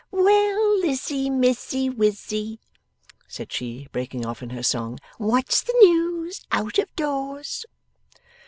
'Well Lizzie Mizzie Wizzie,' said she, breaking off in her song, 'what's the news out of doors?